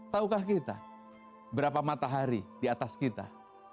taukah kita berapa matahari di atas kita